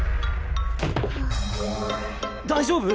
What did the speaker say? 大丈夫？